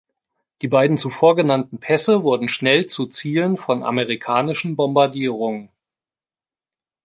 Die beiden zuvor genannten Pässe wurden schnell zu Zielen von amerikanischen Bombardierungen.